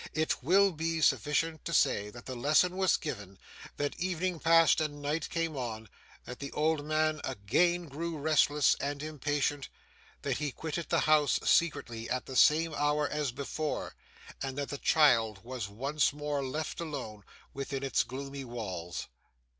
It will be sufficient to say that the lesson was given that evening passed and night came on that the old man again grew restless and impatient that he quitted the house secretly at the same hour as before and that the child was once more left alone within its gloomy walls.